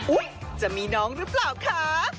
อุ๊ยจะมีน้องรึเปล่าคะ